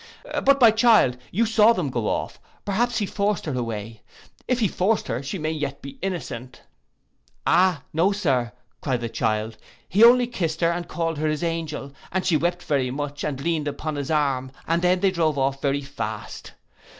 But my child, you saw them go off: perhaps he forced her away? If he forced her, she may 'yet be innocent.'—'Ah no, Sir!' cried the child; 'he only kissed her, and called her his angel, and she wept very much, and leaned upon his arm, and they drove off very fast.